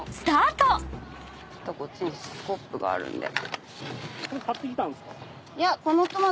こっちにスコップがあるんで。